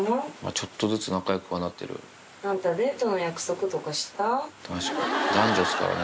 ちょっとずつ仲よくはなってあんた、デートの約束とかし男女ですからね。